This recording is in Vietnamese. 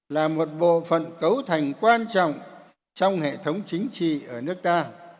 là một bộ phận cấu thành quan trọng trong hệ thống chính trị ở nước ta